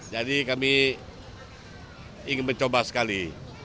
jadi kami ingin mencoba sekali